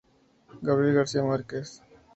Gabriel García Márquez.